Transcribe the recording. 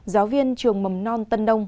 giáo viên trường mầm non tân đông